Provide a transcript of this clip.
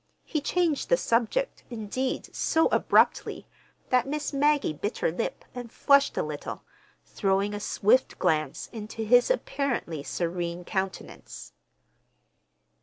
He changed the subject, indeed, so abruptly, that Miss Maggie bit her lip and flushed a little, throwing a swift glance into his apparently serene countenance.